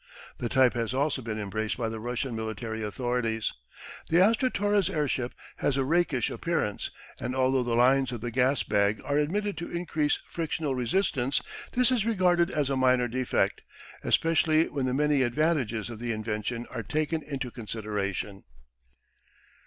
The type has also been embraced by the Russian military authorities. The Astra Torres airship has a rakish appearance, and although the lines of the gas bag are admitted to increase frictional resistance, this is regarded as a minor defect, especially when the many advantages of the invention are taken into consideration.